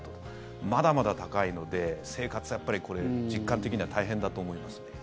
まだまだ高いので生活は、やっぱり実感的には大変だと思いますね。